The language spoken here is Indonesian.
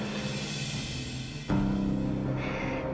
kerajaan bisnis je akan hancur